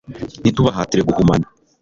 Ntitubahatire guhumana